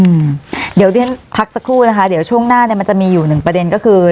อืมเดี๋ยวเรียนพักสักครู่นะคะเดี๋ยวช่วงหน้าเนี้ยมันจะมีอยู่หนึ่งประเด็นก็คือ